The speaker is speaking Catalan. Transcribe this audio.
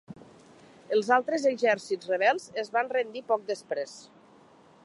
Els altres exèrcits rebels es van rendir poc després.